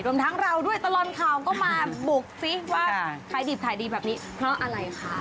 รวมทั้งเราด้วยตลอดข่าวก็มาบุกซิว่าขายดิบขายดีแบบนี้เพราะอะไรคะ